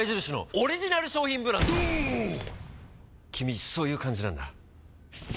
君そういう感じなんだ。